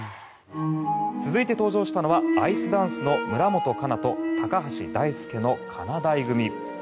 続いて登場したのはアイスダンスの村元哉中と高橋大輔のかなだい組。